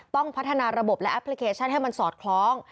ต้องพัฒนาระบบและแอปพลิเคชันให้มันสอดคล้อง